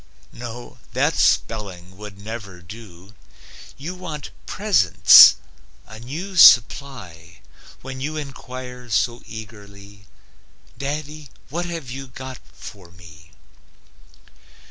No, that spelling would never do; You want Presents, a new supply, When you inquire so eagerly: "Daddy, what have you got for me?"